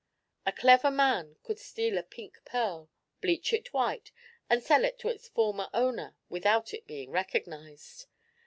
A clever man could steal a pink pearl, bleach it white, and sell it to its former owner without its being recognized.